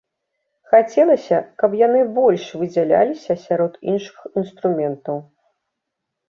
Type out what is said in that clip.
Хацелася, каб яны больш выдзяляліся сярод іншых інструментаў.